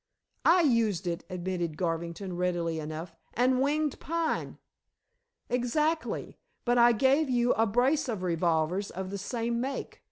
"I used it," admitted Garvington readily enough. "And winged Pine." "Exactly. But I gave you a brace of revolvers of the same make.